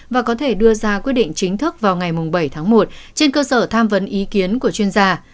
và có thể đưa ra quyết định chính thức vào ngày bảy tháng một trên cơ sở tham vấn ý kiến của chuyên gia